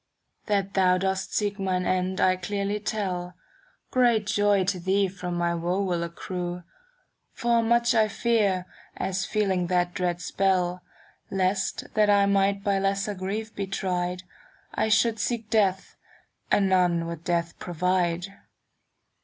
•* That thou dost seek mine end I clearly tell, Great joy to thee from my woe will accrue: For much I fear, as feeling that dread spell. Lest, that I might by lesser grief be tried, I should seek death, and none would death provide.